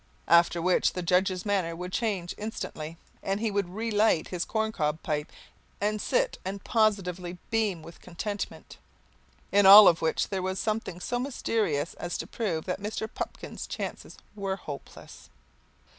After which the judge's manner would change instantly and he would relight his corn cob pipe and sit and positively beam with contentment. In all of which there was something so mysterious as to prove that Mr. Pupkin's chances were hopeless.